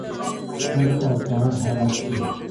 تل او په هر حالت کې.